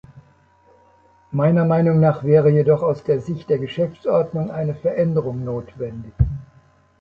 Meiner Meinung nach wäre jedoch aus der Sicht der Geschäftsordnung eine Veränderung notwendig.